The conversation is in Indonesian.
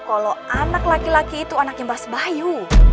kalau anak laki laki itu anaknya mas bayu